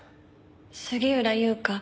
杉浦優花。